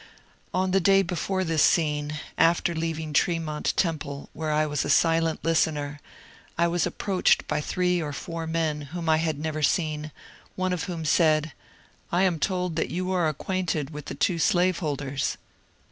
On the day before this scene, after leaving Tremont Tem ple, where I was a silent listener, I was approached by three or four men whom I had never seen, one of whom said, ^^ I am told that you are acquainted with the two slaveholders."